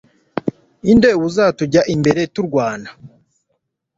inde uzatujya imbere tukarwana